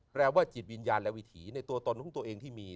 ว่าจิตวิญญาณและวิถีในตัวตนของตัวเองที่มี